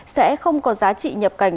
sẽ không có giá trị nhập cảnh